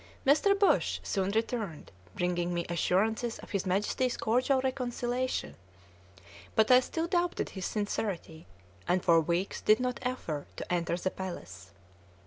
Mr. Bush soon returned, bringing me assurances of his Majesty's cordial reconciliation; but I still doubted his sincerity, and for weeks did not offer to enter the palace.